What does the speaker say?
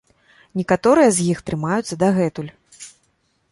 Некаторыя з іх трымаюцца дагэтуль.